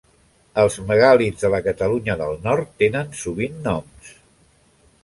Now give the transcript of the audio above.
Els megàlits de la Catalunya del Nord tenen sovint noms.